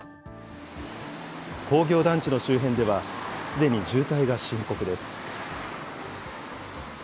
工業団地の周辺では、すでに渋滞が深刻です。